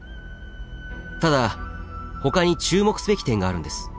ただほかに注目すべき点があるんです。